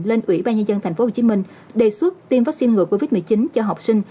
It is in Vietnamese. lên ủy ban nhân dân tp hcm đề xuất tiêm vaccine ngừa covid một mươi chín cho học sinh